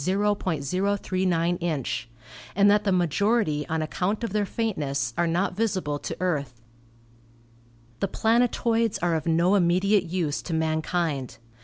039 inch), and that the majority on account of their faintness are not visible to Earth. The planet oids are of no immediate use to mankind.